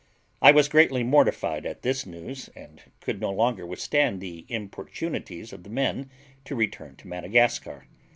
I was greatly mortified at this news, and could no longer withstand the importunities of the men to return to Madagascar.